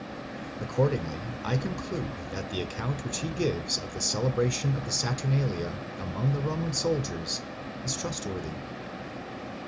Accordingly I conclude that the account which he gives of the celebration of the Saturnalia among the Roman soldiers is trustworthy.